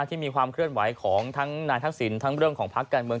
ที่มีความเคลื่อนไหวของทั้งนายทักษิณทั้งเรื่องของพักการเมือง